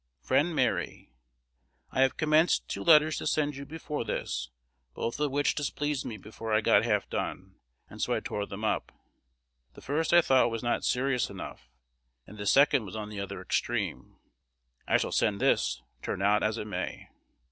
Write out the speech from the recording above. Friend Mary, I have commenced two letters to send you before this, both of which displeased me before I got half done, and so I tore them up. The first I thought was not serious enough, and the second was on the other extreme. I shall send this, turn out as it may.